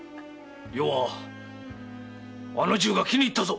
余はあの銃が気に入ったぞ！